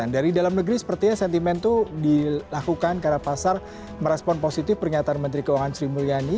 dari dalam negeri sepertinya sentimen itu dilakukan karena pasar merespon positif pernyataan menteri keuangan sri mulyani